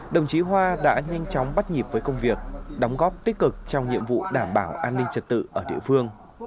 đồng chí hoa đã nhanh chóng bắt nhịp với công việc đóng góp tích cực trong nhiệm vụ đảm bảo an ninh trật tự ở địa phương